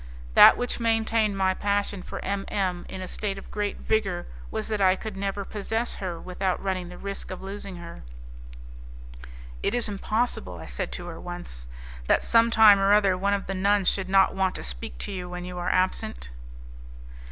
That which maintained my passion for M M in a state of great vigour was that I could never possess her without running the risk of losing her. "It is impossible," I said to her once, "that some time or other one of the nuns should not want to speak to you when you are absent?"